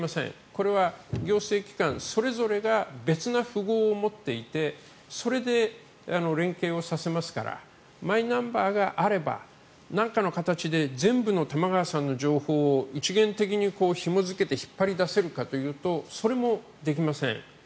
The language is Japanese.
これは行政機関それぞれが別な符号を持っていてそれで連携をさせますからマイナンバーがあればなんかの形で全部の玉川さんの情報を一元的にひも付けて引っ張り出せるかというとそれもできません。